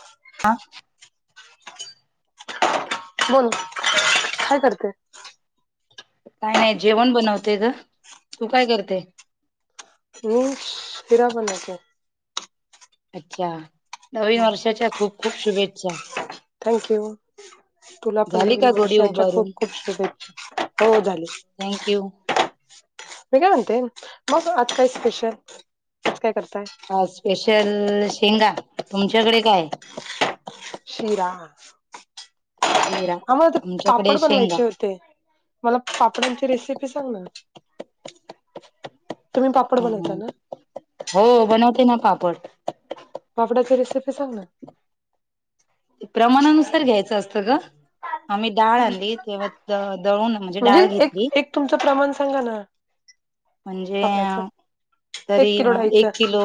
ह. आं? बोल. काय करते? काय नाही. जेवण बनवते ग. तू काय करते? मी शीरा बनवतेय. अच्छा. नवीन वर्षाच्या खूप खूप शुभेच्छा. थँक्यू. तुला पण झाली नवीन का गोडी वर्षाच्या खूप उभारून शुभेच्छा. हो झाली. थँक यू मी काय म्हणते? मग आज काय स्पेशल? आज काय करताय? आज स्पेशल शेंगा. तुमच्याकडे काय ए? शिरा, शिरा आम्हाला ते आमच्याकडे पापड शेंगा बनवायचे होते. मला पापडांची रेसिपी सांग ना. तुम्ही पापड बनवता ना हो बनवते ना पापड. पापडाची रेसिपी सांग ना. ते प्रमाणानुसार घ्यायचं असतं ग. आम्ही डाळ आणली तेव्हा दळून म्हणजे डाळ एक घेतली. एक तुमचं प्रमाण सांगा ना. म्हणजे पापडाचं अं तरी एक किलो ढाईचं एक किलो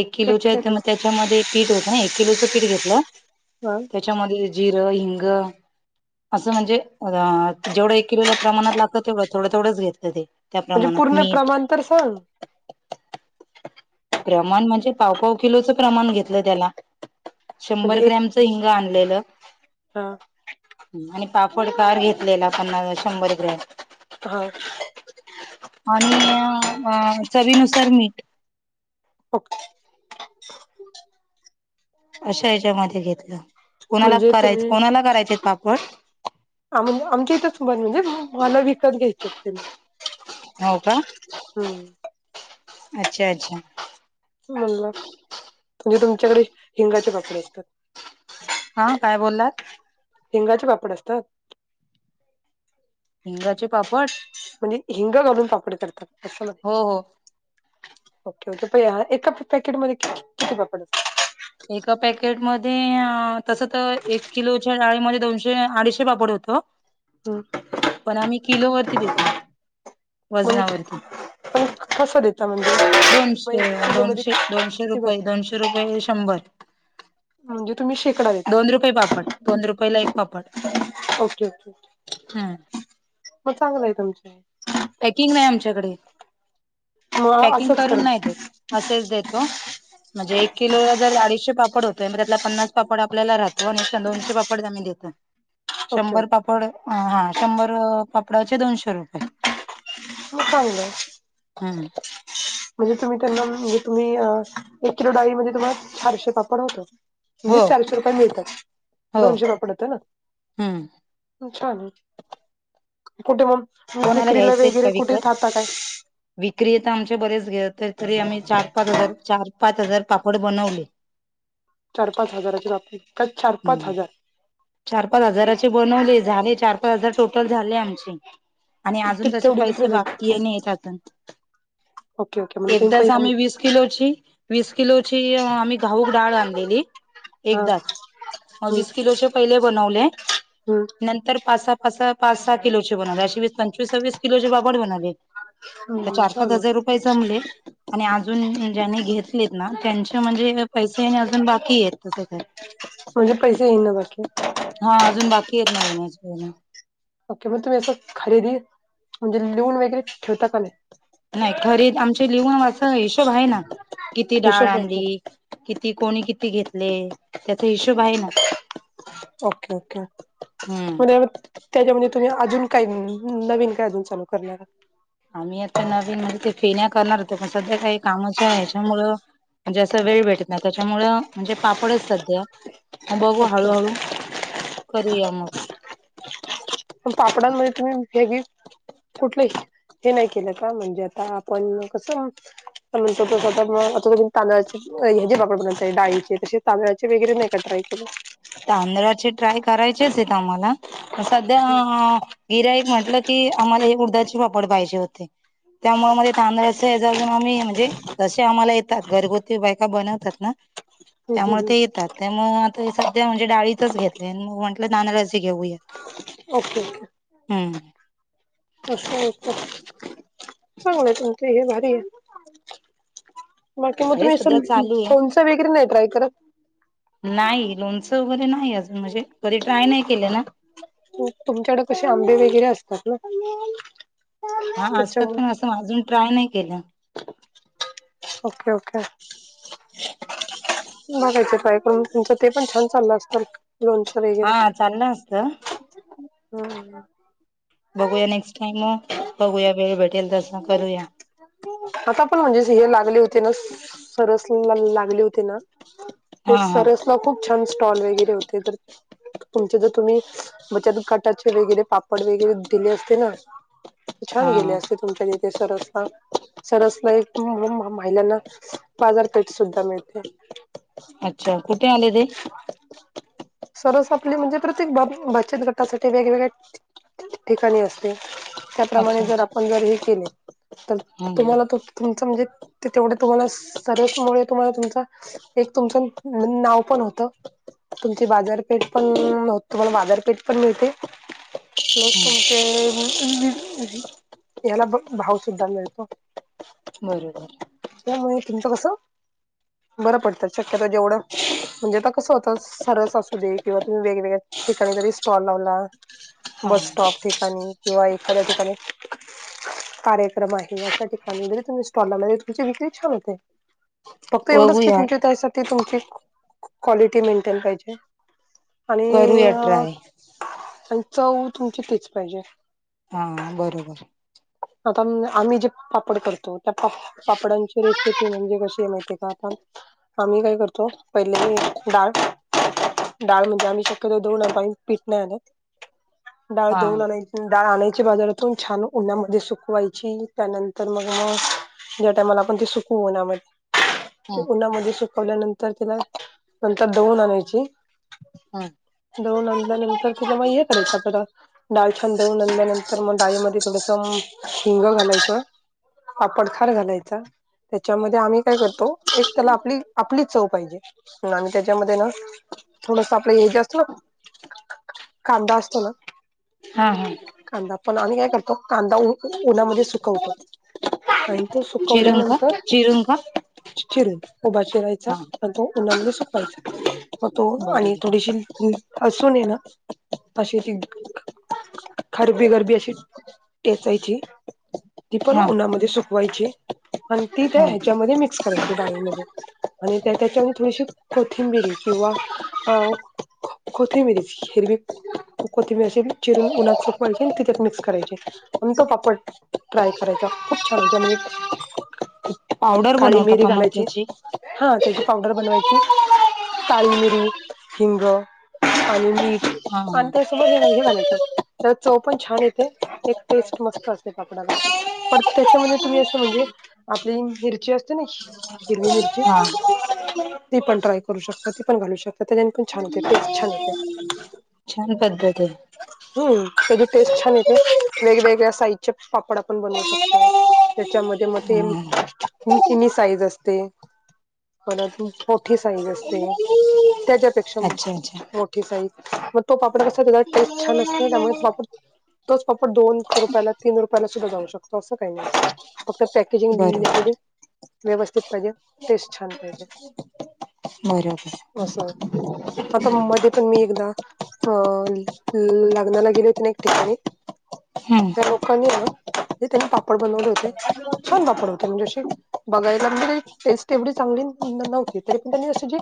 एक किलोच्या आहे तर त्याच्यामध्ये पीठ होतं ना एक किलोचं पीठ घेतलं हा त्या च्यामध्ये जिरं, हिंग, असं म्हणजे अं जेवढं एक किलोला प्रमाणात लागतं तेवढं थोड थोडं घेतलं ते. त्या म्हणजे प्रमाणात पूर्ण मीठ प्रमाण तर सांग. प्रमाण म्हणजे पावपाव किलोचं प्रमाण घेतलं त्याला, म्हणजे शंभर एक ग्रॅमचं हिंग आणलेलं. हा आणि पापड खार घेतलेला पन्नास, शंभर ग्रॅम. हा आणि काय चवीनुसार मीठ. ओके अशा याच्यामध्ये घेतलं कोणाला म्हणजे करायच, तुम्ही कोणाला करायचेत पापड? हा म्हणजे आमच्या इथंच म्हणजे मला विकत घ्यायचे होते. होव का? हम्म. अच्छा अच्छा म्हणला. म्हणजे तुमच्याकडे हिंगाचे पापड असतात. हा काय बोललात? हिंगाचे पापड असतात? हिंगाचे पापड म्हणजे हिंग घालून पापड करतात असं ना हो हो ओके, ओके हा एका पॅकेट मध्ये किती पपड असतात? एका पॅकेट मध्ये अं तसं तर एक किलोच्या डाळीमध्ये दोनशे, अडीचशे पापड होतो. हम्म पण आम्ही किलो वरती देतो, म्हण वजना वरती. पण कसं देता म्हणजे मग दोनशे, एक किलो मध्ये दोनशे, दोनशे किती बस रुपये, दोनशे रुपयेला शंभर. म्हणजे तुम्ही शेकडा देता. ते पापड दोन रुपयेला एक पापड. ओके, ओके हम्म मग चांगलं आहे तुमचं. पॅकिंग नाही आमच्याकडे मग पॅकिंग असंच करा करून नाही देत. असेच देतो म्हणजे एक किलो जर अडीचशे पापड होतोय मग त्यातला पन्नास पापड आपल्याला राह दोनशे, दोनशे पापड आम्ही देतो ओके शंभर ओके पाप पड हा शंभर पापडाचे दोनशे रुपये. हो चांगले आहेत. हम् म्हणजे तुम्ही त्यांना म्हणजे तुम्ही एक किलो डाळी मध्ये तुम्हाला चारशे पापड होतात. हो म्हणजे चारशे रुपये मिळतात हो दोनशे पापडाचे ना हम्म छान आहे. कुठे मग कोणाला विक्रीला घ्यायचे आहेत का वगैरे कुठे विकत जाता काय? विक्री तर आमच्या बरेच घेते तरी आम्ही चार पाच हजार चार पाच हजार पापड बनवले. चार पाच हजाराची बापरे! का चार पाच हम्म हजार? चार पाच हजाराचे बनवले झाले चार पाच हजार टोटल झाले आमचे. आणि ते अजून तसे तेवढी विक्री पैसे झाली बाकी येने यायचे अजून. ओके ओके म्हणजे तुम्ही एकदाच पहिला आम्ही वीस किलोची, वीस किलोची आम्ही घाऊक डाळ आणलेली हा एकदाच. हम्म वीस किलो पहिले बनवले, हम्म नंतर पाच सहा असं पाच सहा किलोचे बनले अशे वीस पंचवीस सव्वीस किलोचे पापड बनवले. तर हम्म चार छान पाच आहे. हजार रुपये जमले. आणि अजून ज्यांनी घेतलेत ना त्यांचे म्हणजे पैसे येने अजून बाकी येतं तसं तर. म्हणजे पैसे येई बाकी? हा अजून बाकी येत ना येण्याचे पैसे. ओके मग तुम्ही अस खरेदी, म्हणजे लिहून वगैरे ठेवता का नाही? नाही खरीेद आमचे लिहून अस हिशोब आहे ना किती डाळ हिशोब ओके आणली. किती कोणी किती घेतले. त्याचा हिशोब आ ओके ओके हम्म पण त्याच्यामध्ये तुम्ही अजून काही नवीन काय अजून चालू करणार ये? आम्ही आता नवीन म्हणजे ते फेण्या करणार होतो पण सध्या काय कामाच्या ह्याच्यामुळं, म्हणजे असं वेळ भेटत नाही त्याच्यामुळ म्हणजे पापडच सध्या, मग बघू ओके हळूहळू. करूया मग. पण पापडांमध्ये तुम्ही हेही कुठलं हे नाही केलं का म्हणजे आता आपण कसं, आपण म्हणतो तो तसं आमच्या घरी तांदळाचे जिरा पापड बनतय डाळीचे तशे. तांदळाचे वगैरे नाही का ट्राय केले? तांदळाचे ट्राय करायचेच येतं आम्हाला, पण सध्या गिराईक म्हटलं की आम्हाला हे उडदाचे पापड पाहिजे होते. त्यामुळे मग हे तांदळाच ह्याच अजून आम्ही म्हणजे जसे आम्हाला ये तात घरगुती बायका बनवतात ना, हम्म त्यामुळे हम्म ते हम्म येतात त्यामुळे आता ह्याच ते म्हणजे डाळीतच घेतलंय मग म्हटलं नाना ओके ओके हम्म असं होत चांगलय तुमच हे भारी ये. बाकी मग हे तुम्ही असं सध्या चालू आहे. लोणचं वगैरे नाही ट्राय करत? नाही लोणचं वगैरे नाही अजून म्हणजे कधी ट्राय नाही केलं ना. तुमच्याकड कशे आंबे वगैरे असतात ना. हा हा असतात त्याच्यामुळे पण असं अजून ट्राय नाही केलं. ओके ओके बघायचे ट्राय करून तुमचं ते पण छान चाललं असतं. लोणचं वगैरे. हा चाललं असतं, हम्म बघूया नेक्स्ट टाइम बघूया वेळ भेटेल तसं करूया. आता पण म्हणजे हे लागले होते ना, सरसला लागले होते ना? ते हा हा सरसला खूप छान स्टॉल वगैरे होते खर. तुमचे जर तुम्ही बचत गटाचे वगैरे पापड वगैरे दिले असते ना... हा छान गेले असते तुमच्या तिथे सरसला. सरसला एक म म महिलांना बाजारपेठ सुद्धा मिळते. अच्छा कुठे आले ते? सरस आपली म्हणजे प्रत्येक बा बचत गटासाठी वेगवेगळ्या ठिकाणी असते. त्याप्रमाणे अच्छा जर अच्छा आपण जर हे केले तर हम्म तुम्हाला त म्हणजे तेवढं तुम्हाला सरसमुळे तुम्हाला तुमचा एक तुमचं न नाव पण होतं. ती बाजारपेठ पण तुम्हाला बाजारपेठ पण मिळते. हम्म. लोकांचे याला बघ भाव सुद्धा मिळतो. बरोबर. त्यामुळे तुमचं कसं? बरं पडत शक्यतो जेवढं म्हणजे तर कसं होत सरस असू दे किंवा तुम्ही वेगवेगळ्या ठिकाणी जरी स्टॉल लावला हा बस स्टॉप ठिकाणी किंवा एखाद्या ठिकाणी कार्यक्रम आहे अशा ठिकाणी जरी तुम्ही स्टॉल लावला तरी तुमची विक्री छान होते. फक्त एवढंच की बघूया त्यासाठी तुमची क्व- क्वालिटी मेंटेन पाहिजे. आणि करूया ट्राय अ-आणि चव तुमची तिच पाहिजे. हा बरोबर. आता आम्ही जे पापड करतो त्या पा पापडांची रेसिपी म्हणजे कशी माहितीय का? आपण आम्ही काय करतो, पहिले डाळ डाळ मुद्दामून शक्यतो दळून आणताना पीठ नाही आणत. डाळ हा दळून आणायची, डाळ आणायची बाजारातून छान उन्हामध्ये सुकवायची त्यानंतर मग ज्या टायमाला आपण ते सुकवू उन्हामध्ये ते हम्म उन्हामध्ये सुकावल्यानंतर त्याला नंतर दळून आणायची. दळून आल्यानंतर तिला मग हम्म. हे करायचं आता डाळ छान दळून आणल्यानंतर मग डाळीमध्ये थोडस अ हिंग घालायचं. पापड खार घालायचा. त्याच्यामध्ये आम्ही काय करतो एक त्याला आपली आपली चव पाहिजे. म्हणून आम्ही त्याच्यामध्ये ना थोडस आपलं हेजे असत ना कांदा असतो ना हा हा. कांदा पण आम्ही काय करतो कांदा उ उ उन्हामध्ये सुकवतो. आणि तो चिरून का सुकवल्यानंतर चिरून का चिरून, उभा चिरायचा हा अन तो उन्हामध्ये सुकवायचा. मग तो आणि बरोबर थोडीशी हि हसून ये ना, अशी ती ख खरबी गरबी अशी टेचायची. ती पण हा उन्हामध्ये सुकवायची. आणि ती त्या हा ह्याच्यामध्ये मिक्स करायची डाळीमध्ये आणि त्या त्याच्यावर थोडीशी कोथिंबिरी किंवा अ खो खोथिंबीर हिरवी कोथिंबिरी अशी चिरून उन्हात सुकवायची आणि ती त्यात मिक् करायची आणि तो पापड ट्राय करायचा. खूप छान होते. म्हणजे पावडर काळी बनवता मिरी का मग घालायची- त्याची हा त्याची पावडर बनवायची काळी मिरी, हिंग आणि मीठ हा आणि त्यासोबर हे, हे घालायचं त्याला चव पण छान येत ते एक टेस्ट मस्त असते पापडाला प त्याच्यामध्ये तुम्ही असं म्हणजे आपली मिरची असते ना हिरवी मिर्ची.. हा ते पण ट्राय करू शकता ते पण घालू शकता त्या पण छान टेस्ट छान येते. छान पद्धत आहे. हम्म- त्याची टेस्ट छान येते वेगवेगळ्या साईजचे पापड आपण बनवू शकतो. त्याच्यामध्ये मग ते हा हिमी साईज असते. परत मोठी साईज असते. त्याच्यापेक्षा अच्छा अच्छा. मोठी साईज मग तो पापडा कसा ता टेस्ट छान असते त्यामुळे तो पापड तोच पापड दोन रुपयाला, तीन रुपयांला सुद्धा जाऊ शकतो असं काही नाही फक्त बरोबर पॅकेजिंगली व्यवस्थित पाहिजे टेस्ट छान पाहिजे. असं आता बरोबर मध्ये पण मी एकदा अ लगनाला गेले होते ना एक ठिकाणी हम्म त्या लोकांनी हे त्यांनी पापड बनवले होते छान पापड होते म्हणजे असे बघायला म्हणजे टेस्ट एवढी चांगली नव्हती तरी पण त्यांनी अशी जी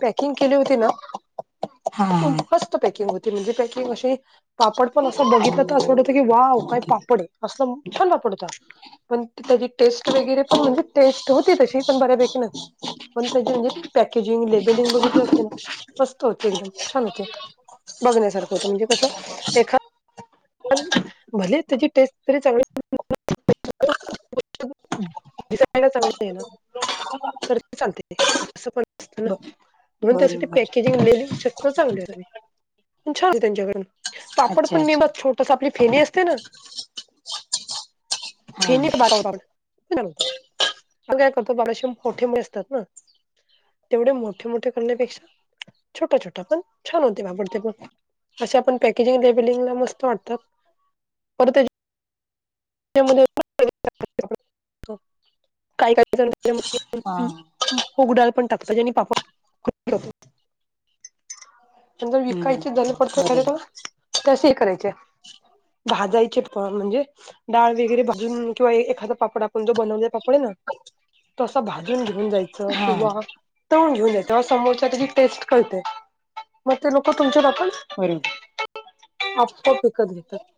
पॅकिंग केली होती ना हा प हा. मस्त पॅकिंग होती म्हणजे पॅकिंग अशी पापड पण असं बघी असं वाटतं कि वाव काय पापड आहे असल छान पापड होत. पण त्याची टेस्ट वगैरे पण म्हणजे टेस्ट होती तशी पण बऱ्यापैकी नाही. पण त्याची म्हणजे पॅकेजिंग लेबलिंग बगितली असते ना मस्त होते एकदम छान होते. बघण्यासारखं होत म्हणजे कसं एखाद भले त्याची टेस्ट तरी चांगली [unintelligible] दिसायला चांगली आहे ना तरी ते चालते असं पण असत ना ब म्हणून त्यासाठी बरोबर पॅकेजिंग [unintelligible] चांगले छान त्यांच्याकडून पापड अच्छा पण अच्छा नेमच छोटस आपली फेनी असते ना हा फेनित [unintelligible] मग काय करतो बारशे मोठेमुळे असतात ना तेवढे मोठे मोठे करण्यापेक्षा छोटा छोटा पण छान होते पापड ते पण अशा पण पॅकेजिंग बिलिंगला मस्त वाटतं परत [unintelligible] हा. मूग डाळ पण टाकतात जेणे पापड आणि जर हम्म विकायचे जर पडत खाला बरोबर तसे हे करायचे. भाजायचे पण म्हणजे डाळ वगैरे भाजून किंवा एखादा पापड आपण जो बनवलेला पापड आहे ना तो असा भाजून घेवून जायचं हा किंवा तळुन घेऊन येतो तेव्हा समोरच्या त्याची टेस्ट कळते. मग ते लोकं तुमच्या [unintelligible] होईल [unintelligible]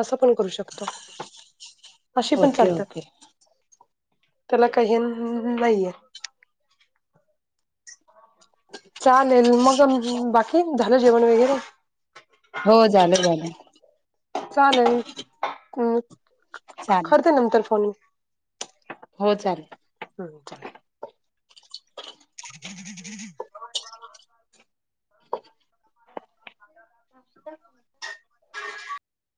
असं पण करू शकतो. अशी पण ओके चालतात ओके. त्याला काही हे नाहीये चालेल मग बाकी झालं जेवण वगैरे? हो झालं झालं. चालेल चालेल करते नंतर फोन हो चालेल हम्म [unintelligible]